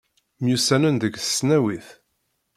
Myussanen deg tesnawit.